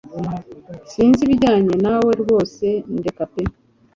sinz ibijyanye nawe rwose ndeka pe